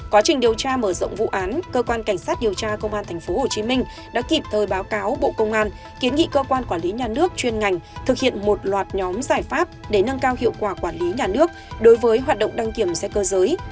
quá trình điều tra mở rộng vụ án cơ quan cảnh sát điều tra công an tp hcm đã kịp thời báo cáo bộ công an kiến nghị cơ quan quản lý nhà nước chuyên ngành thực hiện một loạt nhóm giải pháp để nâng cao hiệu quả quản lý nhà nước đối với hoạt động đăng kiểm xe cơ giới